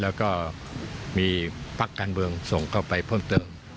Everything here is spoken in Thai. แล้วก็มีพักการเมืองส่งเข้าไปเพิ่มเติม